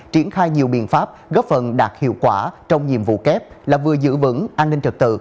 triển khai nhiều biện pháp góp phần đạt hiệu quả trong nhiệm vụ kép là vừa giữ vững an ninh trật tự